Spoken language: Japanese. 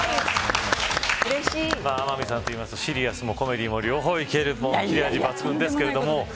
天海さんというとシリアスもコメディも両方いける切れ味抜群ですけれども。